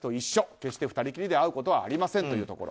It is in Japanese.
決して２人きりで会うことはありませんというところ。